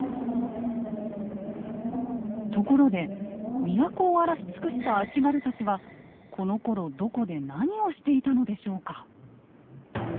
ところで都を荒らし尽くした足軽たちはこのころどこで何をしていたのでしょうか。